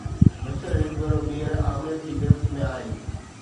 مصر هڪ ڀيرو ٻيهر آمريت جي گرفت ۾ آهي.